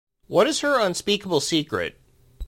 What is her unspeakable secret?